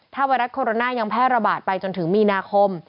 ไวรัสโคโรนายังแพร่ระบาดไปจนถึงมีนาคม